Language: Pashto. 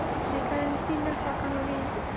د کرنسۍ نرخ راکموي.